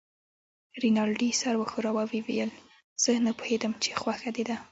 رینالډي سر و ښوراوه او ویې ویل: زه نه پوهېدم چې خوښه دې ده.